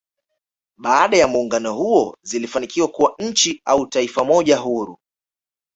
Baada ya muungano huo zilifanikiwa kuwa nchi au Taifa moja huru